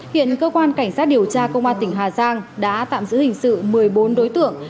hiện cơ quan cảnh sát điều tra công an tỉnh hà giang đã tạm giữ hình sự một mươi bốn đối tượng